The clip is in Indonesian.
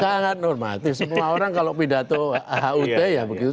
sangat normatif semua orang kalau pidato hut ya begitu